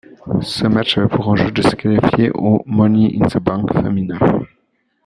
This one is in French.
Ce match avait pour enjeu de se qualifier au Money in the Bank féminin.